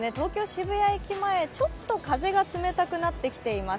渋谷駅前、ちょっと風が冷たくなってきています。